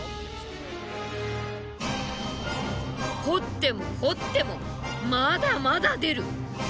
掘っても掘ってもまだまだ出る。